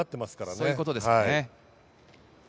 そういうことですか。